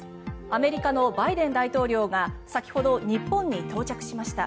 アメリカのバイデン大統領が先ほど日本に到着しました。